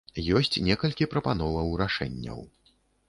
Ёсць некалькі прапановаў рашэнняў.